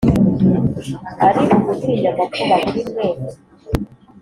Ari ugutinya amakuba kuri mwe!"